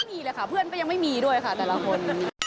ไม่มีเลยค่ะเพื่อนก็ยังไม่มีด้วยค่ะแต่ละคน